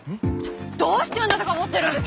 どうしてあなたが持ってるんです！？